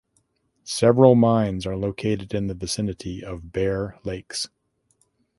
Several mines are located in the vicinity of Bear Lakes.